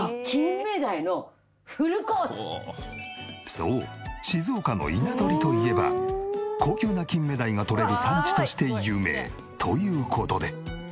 そう静岡の稲取といえば高級な金目鯛がとれる産地として有名。という事で。